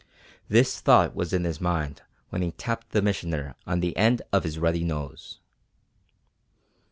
This thought was in his mind when he tapped the Missioner on the end of his ruddy nose.